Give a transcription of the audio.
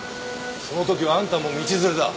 その時はあんたも道連れだ。